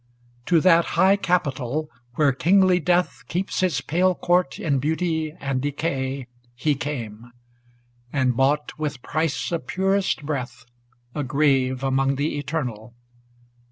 VII To that high Capital, where kingly Death Keeps his pale court in beauty and decay. He came ; and bought, with price of pur est breath, A grave among the eternal.